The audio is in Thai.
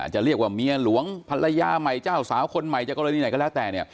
จะเรียกว่าเมียหลวงภรรยาใหม่เจ้าสาวคนใหม่จากกรณีไหนก็แล้วแต่เนี่ย